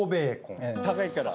高いから。